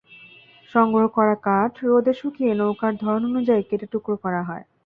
সংগ্রহ করা কাঠ রোদে শুকিয়ে নৌকার ধরন অনুযায়ী কেটে টুকরো করা হয়।